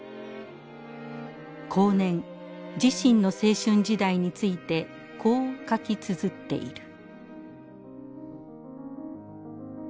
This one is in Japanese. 後年自身の青春時代についてこう書きつづっている。